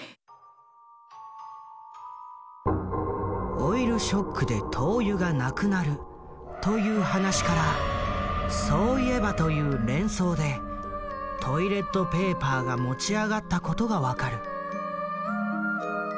「オイルショックで灯油がなくなる」という話から「そういえば」という連想でトイレットペーパーが持ち上がったことが分かる。